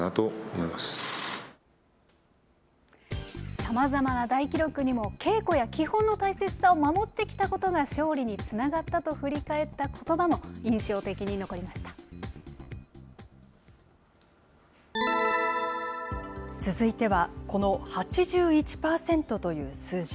さまざまな大記録にも、稽古や基本の大切さを守ってきたことが勝利につながったと振り返続いては、この８１％という数字。